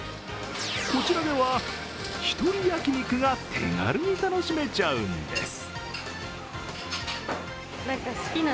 こちらではひとり焼肉が手軽に楽しめちゃうんです。